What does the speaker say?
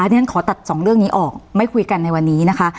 เรียนขอตัดสองเรื่องนี้ออกไม่คุยกันในวันนี้นะคะ